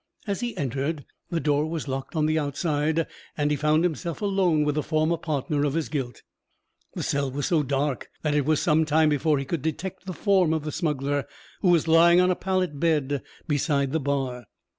As he entered, the door was locked on the outside; and he found himself alone with the former partner of his guilt. The cell was so dark that it was some time before he could detect the form of the smuggler, who was lying on a pallet bed beside the bar.